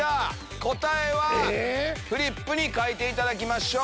答えはフリップに書いていただきましょう。